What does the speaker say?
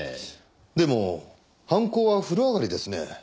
でも犯行は風呂上がりですね。